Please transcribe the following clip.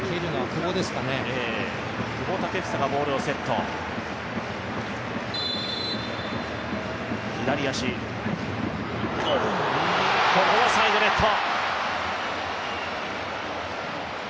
ここはサイドネット。